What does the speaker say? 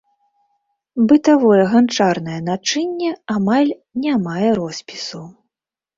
Бытавое ганчарнае начынне амаль не мае роспісу.